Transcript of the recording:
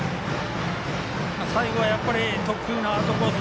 最後はやっぱり得意のアウトコース